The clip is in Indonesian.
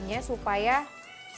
mereka sedang kacau